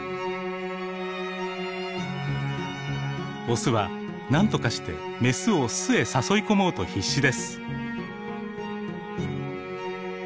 オスはなんとかしてメスを巣へ誘い込もうと必死です。